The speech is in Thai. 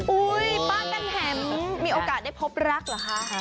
ป้ากันแถมมีโอกาสได้พบรักเหรอคะ